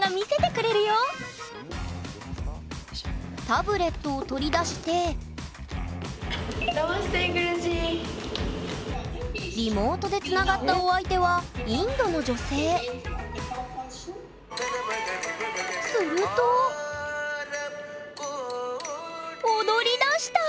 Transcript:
タブレットを取り出してリモートでつながったお相手はインドの女性すると踊りだした！